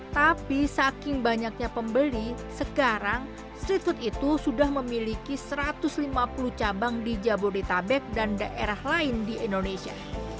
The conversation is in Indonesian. tapi saking banyaknya pembeli sekarang street food itu sudah memiliki satu ratus lima puluh cabang di jabodetabek dan daerah lain di indonesia